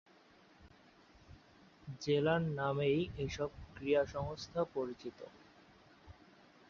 জেলার নামেই এসব ক্রীড়া সংস্থা পরিচিত।